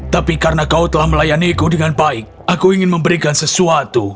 tapi karena kau telah melayaniku dengan baik aku ingin memberikan sesuatu